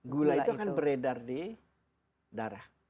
gula itu akan beredar di darah